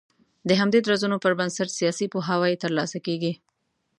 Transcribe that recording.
د همدې درځونو پر بنسټ سياسي پوهاوی تر لاسه کېږي